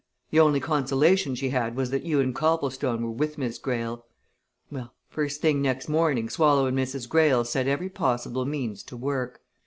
The only consolation she had was that you and Copplestone were with Miss Greyle. Well, first thing next morning Swallow and Mrs. Greyle set every possible means to work.